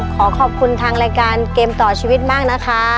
ขอขอบคุณทางรายการเกมต่อชีวิตมากนะคะขอบคุณค่ะ